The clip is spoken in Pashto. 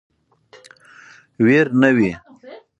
ویر نه وي.